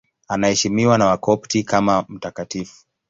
Anaheshimiwa na Wakopti kama mtakatifu.